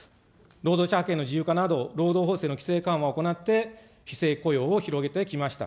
労働者派遣の自由化など、労働法制の規制緩和を行って、非正規雇用を広げてきました。